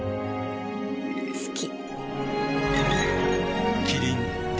好き。